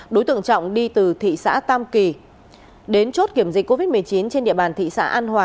đối tượng trọng đi từ thị xã tam kỳ đến chốt kiểm dịch covid một mươi chín trên địa bàn thị xã an hòa